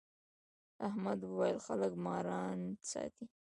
احمد وويل: خلک ماران ساتي.